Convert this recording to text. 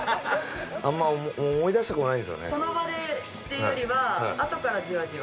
その場でっていうよりはあとからじわじわ？